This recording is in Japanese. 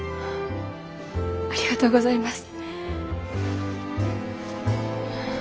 ありがとうございます。